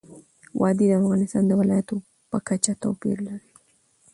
وادي د افغانستان د ولایاتو په کچه توپیر لري.